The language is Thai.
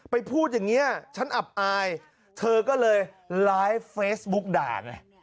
พูดอย่างนี้ฉันอับอายเธอก็เลยไลฟ์เฟซบุ๊กด่าไง